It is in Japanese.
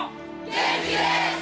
元気です！